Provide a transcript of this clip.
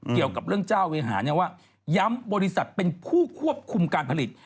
เกี่ยวกับเรื่องเจ้าเวหาเนี่ยว่าย้ำบริษัทเป็นผู้ควบคุมการผลิต